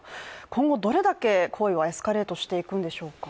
今後どれだけエスカレートしていくんでしょうか。